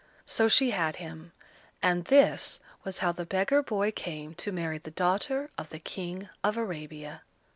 So she had him; and this was how the beggar boy came to marry the daughter of the King of Arabia.